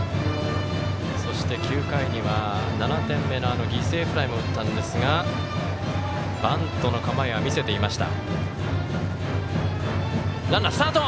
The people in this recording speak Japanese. そして９回には７点目の犠牲フライも打ったんですがバントの構えは見せていました。